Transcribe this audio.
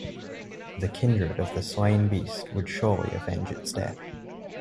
The kindred of the slain beast would surely avenge its death.